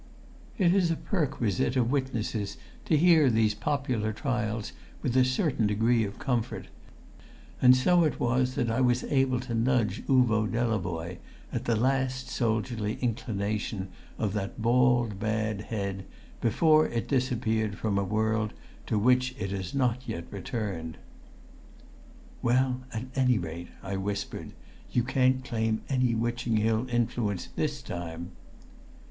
It is a perquisite of witnesses to hear these popular trials with a certain degree of comfort; and so it was that I was able to nudge Uvo Delavoye, at the last soldierly inclination of that bald bad head, before it disappeared from a world to which it has not yet returned. "Well, at any rate," I whispered, "you can't claim any Witching Hill influence this time."